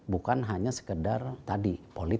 bukan hanya sekedar tadi